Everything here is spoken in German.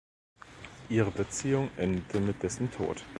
Ihre Beziehung endete mit dessen Tod.